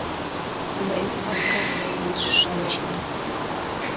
Урем капка виш шинчен.